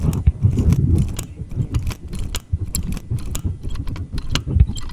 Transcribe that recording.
Es la actual entrenadora de la Selección femenina de fútbol de Estados Unidos.